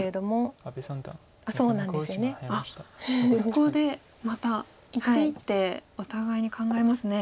ここでまた一手一手お互いに考えますね。